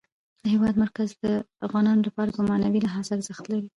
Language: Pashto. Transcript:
د هېواد مرکز د افغانانو لپاره په معنوي لحاظ ارزښت لري.